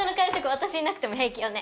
私いなくても平気よね？